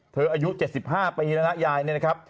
อายุ๗๕ปีแล้วนะยายเนี่ยนะครับ